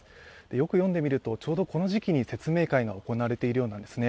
よく読んでみると、ちょうどこの時期に説明会が行われているようなんですね。